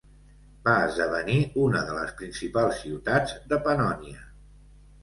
Va esdevenir una de les principals ciutats de Pannònia.